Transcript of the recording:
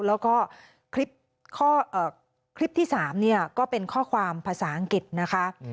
แล้วก็คลิปที่๓ก็เป็นข้อความภาษาอังกฤษนะคะ